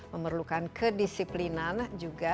memerlukan kedisiplinan juga untuk mencapai kepentingan